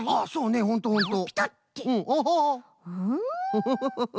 フフフフフ。